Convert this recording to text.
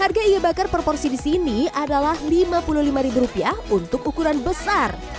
harga ikan bakar per porsi di sini adalah rp lima puluh lima untuk ukuran besar